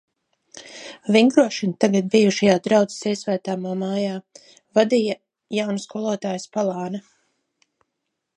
Vingrošanu tagad bijušajā draudzes iesvētāmo mājā, vadīja jauna skolotāja Spalāne.